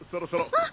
あっ！